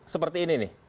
seperti ini nih